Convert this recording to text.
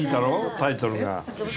タイトルが。